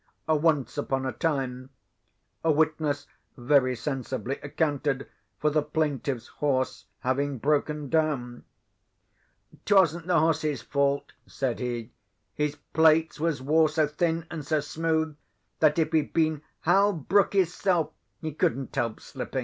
Once upon a time, a witness very sensibly accounted for the plaintiff's horse having broken down. "'Twasn't the hoss's fault," said he; "his plates was wore so thin and so smooth, that, if he'd been Hal Brook his self, he couldn't help slipping."